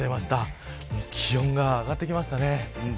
気温が上がってきましたね。